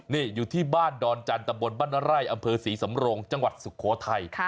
นี่อยู่ที่บ้านดอนจันทะบนบ้านไร่อำเภอศรีสำโรงจังหวัดสุโขทัย